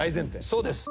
そうです。